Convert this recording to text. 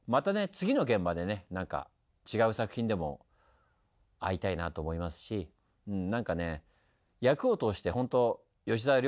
次の現場でね何か違う作品でも会いたいなと思いますしうん何かね役を通して本当吉沢亮